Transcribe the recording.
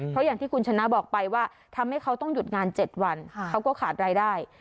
เพราะอย่างที่คุณชนะบอกไปว่าทำให้เขาต้องหยุดงาน๗วันเขาก็ขาดรายได้